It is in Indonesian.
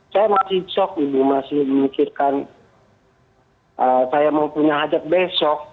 saya sudah besok dulu masih memikirkan saya mau punya ajak besok